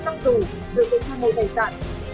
một mươi năm năm tù được tổng tham mô tài sản